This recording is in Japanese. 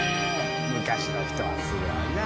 昔の人はすごいな！